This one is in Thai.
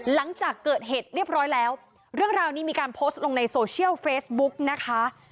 หลังจากเกิดเหตุเรียบร้อยแล้วเรื่องราวนี้มีการโพสต์ลงในโซเชียลเฟซบุ๊กนะคะ